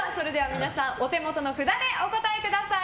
皆さん、お手元の札でお答えください。